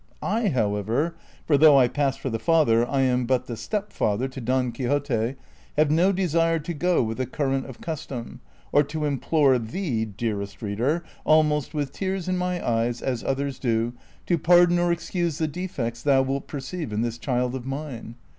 I, however — for though I pass for the father, I am but the stepfather to " Don Qidxote "— have no desire to go with the current of custom, or to implore thee, dearest reader, almost with tears in my eyes, as others do, to pardon or excuse the defects thou wilt perceive in this child of mine.